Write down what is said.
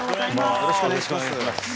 よろしくお願いします。